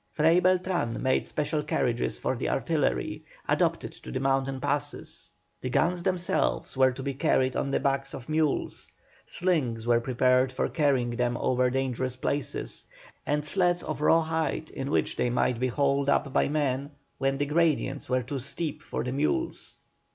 Fray Beltran made special carriages for the artillery, adapted to the mountain passes, the guns themselves were to be carried on the backs of mules; slings were prepared for carrying them over dangerous places, and sleds of raw hide in which they might be hauled up by men when the gradients were too steep for the mules.